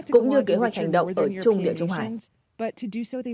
cũng như kế hoạch hành động ở chung địa chung hải